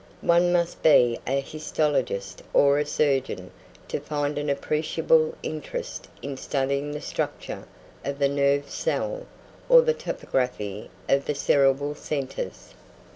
One must be an histologist or a surgeon to find an appreciable interest in studying the structure of the nerve cell or the topography of the cerebral centres.